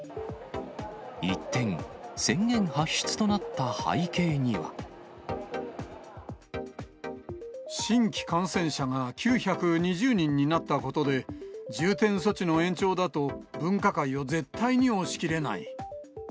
一転、新規感染者が９２０人になったことで、重点措置の延長だと、分科会を絶対に押し切れない。